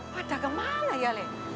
pada kemana ya leh